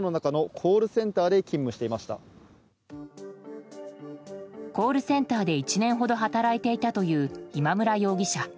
コールセンターで１年ほど働いていたという今村容疑者。